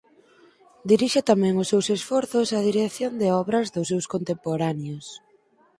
Dirixe tamén os seus esforzos á dirección de obras dos seus contemporáneos.